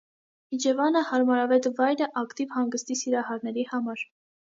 Իջևանը հարմարավետ վայր է ակտիվ հանգստի սիրահարների համար։